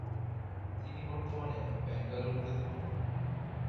তিনি বর্তমানে বেঙ্গালুরুতে থাকেন।